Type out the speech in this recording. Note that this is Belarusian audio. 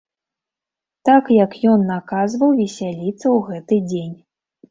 Так як ён наказваў весяліцца ў гэты дзень.